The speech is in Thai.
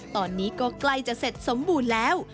ตอนนี้ก็ใกล้จะเสร็จสมบูรณ์แล้ว